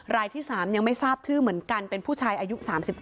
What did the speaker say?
รายที่๓ยังไม่ทราบชื่อเหมือนกันเป็นผู้ชายอายุ๓๙